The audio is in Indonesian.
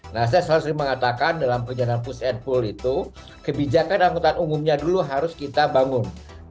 nah saya selalu sering mengatakan dalam perjalanan push and pool itu kebijakan angkutan umumnya dulu harus kita bangun